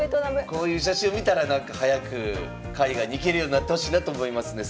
こういう写真を見たら早く海外に行けるようになってほしいなと思いますね。